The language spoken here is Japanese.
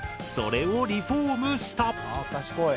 それをリフォームした。